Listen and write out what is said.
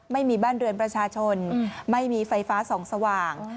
ไม่มีบ้านเรือนประชาชนไม่มีไฟฟ้าส่องสว่าง